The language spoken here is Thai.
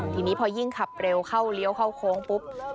ทีนี้พอยิ่งขับเร็วเข้าเลี้ยวเข้าโค้งปุ๊บ